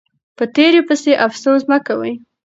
په تیر پسې افسوس مه کوئ.